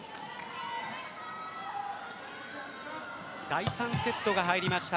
第３セットに入りました。